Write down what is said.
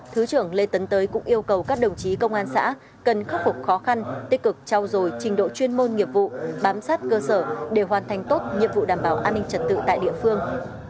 thứ trưởng lê tấn tới cũng yêu cầu các đồng chí công an xã cần khắc phục khó khăn tích cực trao dồi trình độ chuyên môn nghiệp vụ bám sát cơ sở để hoàn thành tốt nhiệm vụ đảm bảo an ninh trật tự tại địa phương